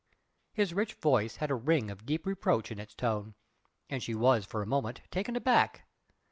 His rich voice had a ring of deep reproach in its tone and she was for a moment taken aback.